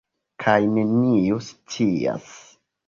Kaj neniu scias.